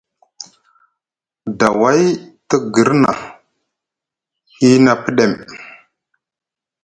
Daway te girna, hiina pɗem!